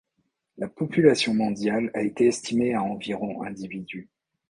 La population mondiale a été estimée à environ individus.